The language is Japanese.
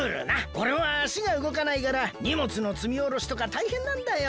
おれはあしがうごかないからにもつのつみおろしとかたいへんなんだよ。